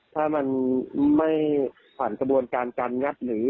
ถ้ามันไม่ผ่านกระบวนการการงัดหนี